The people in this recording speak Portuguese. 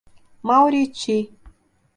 Mauriti